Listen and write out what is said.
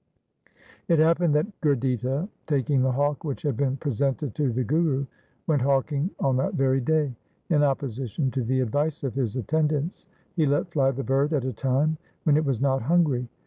It happened that Gurditta, taking the hawk which had been presented to the Guru, went hawking on that very day. In opposition to the advice of his attendants, he let fly the bird at a time when it was not hungry.